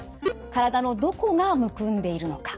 体のどこがむくんでいるのか。